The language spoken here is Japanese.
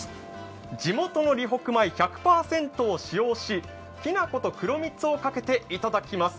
地元の梨北米１００％を使用しきな粉と黒蜜をかけていただきます。